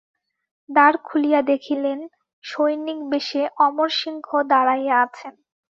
দ্বার খুলিয়া দেখিলেন, সৈনিকবেশে অমরসিংহ দাঁড়াইয়া আছেন।